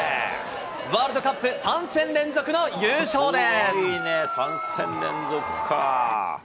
ワールドカップ３戦連続の優勝です。